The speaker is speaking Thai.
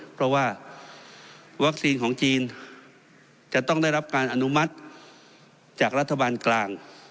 เพราะว่าวัคซีนของจีนจะต้องได้รับการอนุมัติจากรัฐบาลกลาง